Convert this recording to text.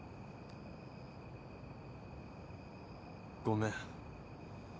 ごめん。